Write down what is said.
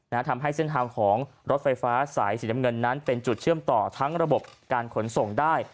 ทำให้เส้นทางของรถไฟฟ้าสายสีน้ำเงินนั้นเป็นจุดเชื่อมต่อทั้งระบบการขนส่งได้